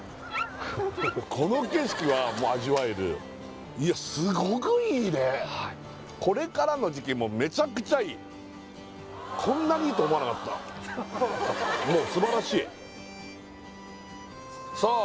この景色も味わえるいやすごくいいねはいこれからの時期もめちゃくちゃいいこんなにいいと思わなかったもう素晴らしいさあ